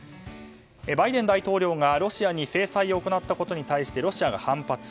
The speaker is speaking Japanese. バイデン大統領がロシアに制裁を行ったことに対してロシアが反発。